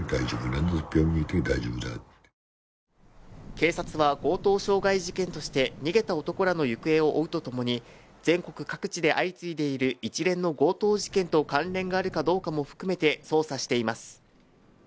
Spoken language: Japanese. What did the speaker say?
警察は強盗傷害事件として逃げた男らの行方を追うとともに全国各地で相次いでいる一連の強盗事件と関連があるかどうかも含めて捜査しています。